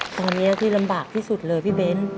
ตรงนี้ที่ลำบากที่สุดเลยพี่เบ้น